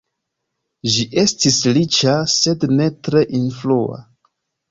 Ĝi estis riĉa, sed ne tre influa.